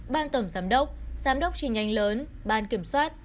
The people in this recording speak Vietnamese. ban tổng giám đốc giám đốc trình nhanh lớn ban kiểm soát